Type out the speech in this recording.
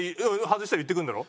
外したら言ってくるんだろ？